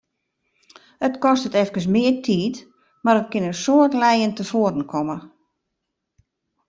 It kostet efkes mear tiid, mar it kin in soad lijen tefoaren komme.